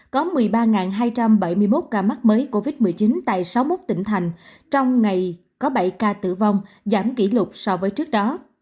có một mươi ba hai trăm bảy mươi một ca mắc mới covid một mươi chín tại sáu mươi một tỉnh thành trong ngày có bảy ca tử vong giảm kỷ lục so với trước đó